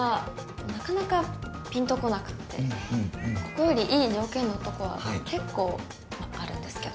ここよりいい条件のとこは結構まああるんですけどね。